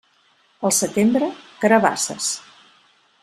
Al setembre, carabasses.